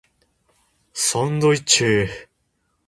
サンドイッチ